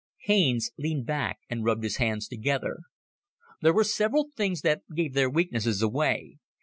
Haines leaned back and rubbed his hands together. "There were several things that gave their weaknesses away.